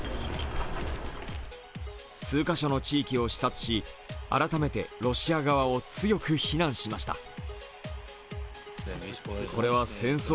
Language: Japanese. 数カ所の地域を視察し改めてロシア側を強く非難しました。